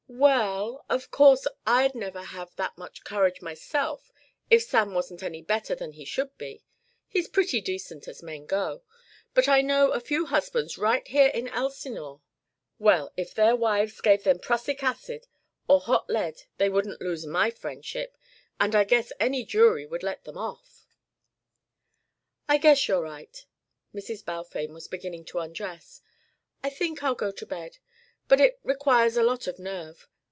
"Well of course I'd never have that much courage myself if Sam wasn't any better than he should be he's pretty decent as men go but I know a few husbands right here in Elsinore well, if their wives gave them prussic acid or hot lead they wouldn't lose my friendship, and I guess any jury would let them off." "I guess you're right." Mrs. Balfame was beginning to undress. "I think I'll get into bed But it requires a lot of nerve.